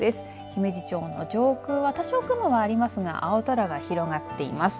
姫路城の上空は多少雲がありますが青空が広がっています。